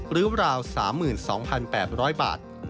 หรือราว๓๒๘๐๐บาท